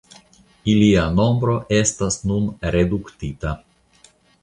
Ilia nombro estas nun reduktita.